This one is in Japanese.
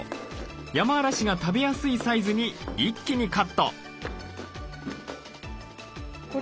ヤマアラシが食べやすいサイズに一気にカット。